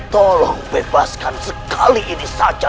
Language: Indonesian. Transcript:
tolong bebaskan sekali ini saja